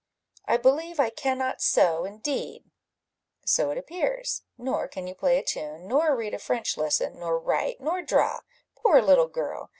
"I believe I cannot sew, indeed." "So it appears; nor can you play a tune, nor read a French lesson, nor write, nor draw: poor little girl!